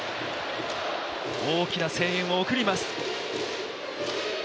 大きな声援を送ります。